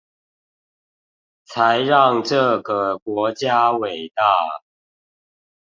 才讓這個國家偉大